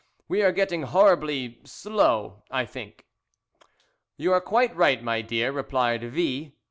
We are getting horribly 'slow,' I think." "You are quite right, my dear," replied V